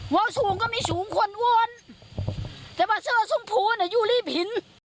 ว้าวสูงก็มีสูงคนวลแต่ว่าเสื้อสมภูมิน่ะยุริผิน